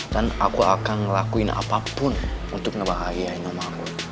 dan aku akan ngelakuin apapun untuk ngebahagiain oma aku